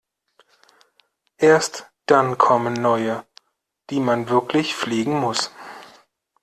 Erst dann kommen neue, die man wirklich pflegen muss.